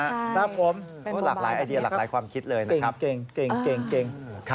ครับผมเป็นพอม่านแบบนี้ครับเก่งหลากหลายอาเดียหลากหลายความคิดเลยนะครับ